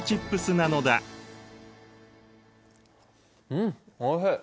うんおいしい！